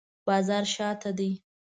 بازار شاته دی